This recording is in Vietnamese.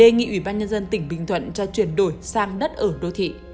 đề nghị ủy ban nhân dân tỉnh bình thuận cho chuyển đổi sang đất ở đô thị